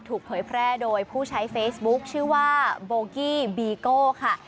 เผยแพร่โดยผู้ใช้เฟซบุ๊คชื่อว่าโบกี้บีโก้ค่ะ